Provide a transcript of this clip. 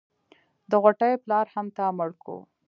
د غوټۍ پلار هم تا مړ کو.